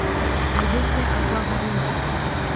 Elles devraient avoir honte !